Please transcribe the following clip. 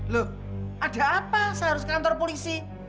loh ada apa saya harus ke kantor polisi